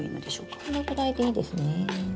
そのぐらいでいいですね。